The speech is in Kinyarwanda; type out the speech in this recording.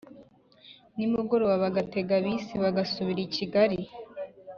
nimugoroba bagatega bisi bagasubira i Kigali